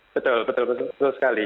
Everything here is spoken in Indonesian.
betul betul sekali